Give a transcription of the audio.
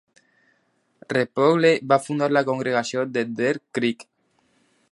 Replogle va fundar la congregació de Deer Creek.